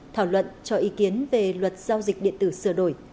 thảo luận cho ý kiến về luật giao dịch điện tử sửa đổi